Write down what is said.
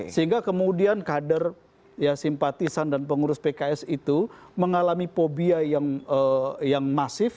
sehingga kemudian kader ya simpatisan dan pengurus pks itu mengalami fobia yang masif